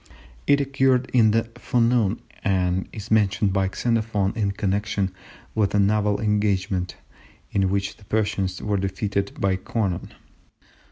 It occurred in the forenoon, and is mentioned by Xenophon in connection with a naval engagement in which the Persians were defeated by Conon.